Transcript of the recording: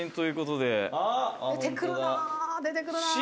「出てくるなあ出てくるなあ」